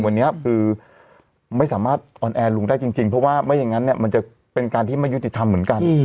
วันนี้คือไม่สามารถออนแอร์ลุงได้จริงเพราะว่าไม่อย่างนั้นมันจะเป็นการที่ไม่ยุติธรรมเหมือนกัน